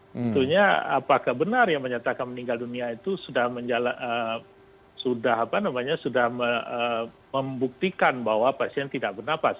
tentunya apakah benar yang menyatakan meninggal dunia itu sudah membuktikan bahwa pasien tidak bernafas